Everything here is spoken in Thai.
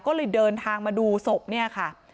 ก็เลยเดินทางมาดูศพเนี่ยค่ะ